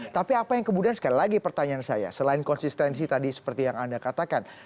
tapi apa yang kemudian sekali lagi pertanyaan saya selain konsistensi tadi seperti yang anda katakan